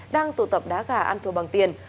đang tụ tập đá gà ăn thua bằng tiền